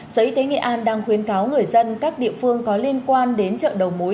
sở y tế nghệ an đang khuyến cáo người dân các địa phương có liên quan đến chợ đầu mối